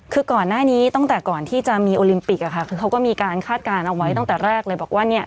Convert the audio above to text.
คือก่อนหน้านี้ตั้งแต่ก่อนที่จะมีโอลิมปิกอะค่ะคือเขาก็มีการคาดการณ์เอาไว้ตั้งแต่แรกเลยบอกว่าเนี่ย